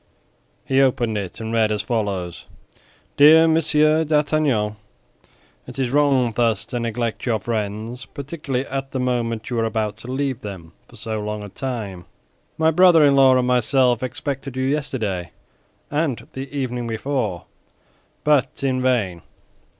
He opened it and read as follows: DEAR M. D'ARTAGNAN, It is wrong thus to neglect your friends, particularly at the moment you are about to leave them for so long a time. My brother in law and myself expected you yesterday and the day before, but in vain.